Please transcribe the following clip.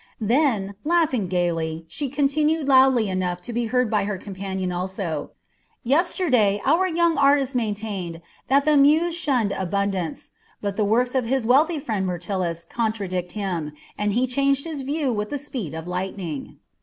Then, laughing gaily, she continued loudly enough to be heard by her companion also: "Yesterday our young artist maintained that the Muse shunned abundance; but the works of his wealthy friend Myrtilus contradicted him, and he changed his view with the speed of lightning."